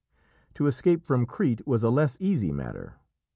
To escape from Crete was a less easy matter.